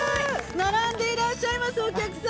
◆並んでいらっしゃいます、お客様。